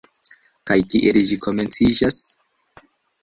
Kaj kiel ĝi komenciĝas?